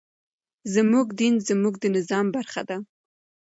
زموږ دين زموږ د نظام برخه ده.